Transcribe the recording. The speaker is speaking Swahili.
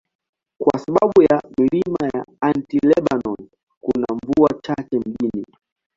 Kwa sababu ya milima ya Anti-Lebanon, kuna mvua chache mjini.